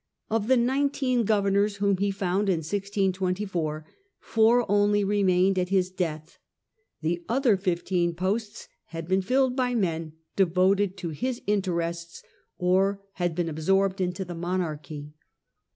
Of the nineteen governors whom he found in 1624, four only remained at his death; the other fifteen posts had been filled by men devoted to his interests, or had been absorbed into the monarchy.